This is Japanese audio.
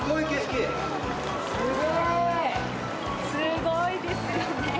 すごいですよね。